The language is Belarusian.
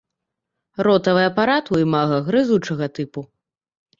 Ротавы апарат у імага грызучага тыпу.